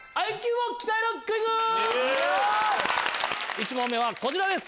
１問目はこちらです。